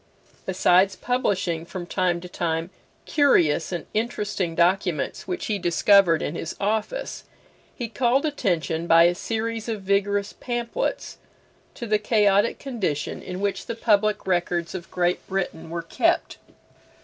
Besides publishing, from time to time, curious and interesting documents which he discovered in his office, he called attention, by a series of vigorous pamphlets, to the chaotic condition in which the public records of Great Britain were kept.